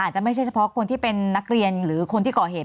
อาจจะไม่ใช่เฉพาะคนที่เป็นนักเรียนหรือคนที่ก่อเหตุ